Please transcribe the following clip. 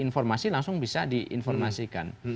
informasi langsung bisa diinformasikan